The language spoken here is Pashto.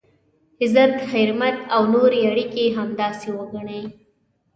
عزت، حرمت او نورې اړیکي همداسې وګڼئ.